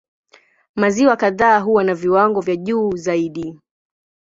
Maziwa kadhaa huwa na viwango vya juu zaidi.